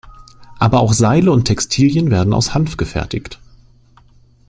Aber auch Seile und Textilien werden aus Hanf gefertigt.